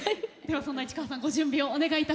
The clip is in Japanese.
そんな市川さんご準備をお願いいたします。